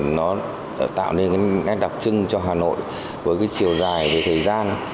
nó tạo nên cái nét đặc trưng cho hà nội với cái chiều dài về thời gian